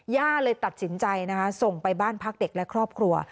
ย่าเลยตัดสินใจนะคะส่งไปบ้านพักเด็กและครอบครัว